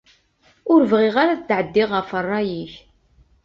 Ur bɣiɣ ara ad tɛeddiɣ ɣef rray-ik.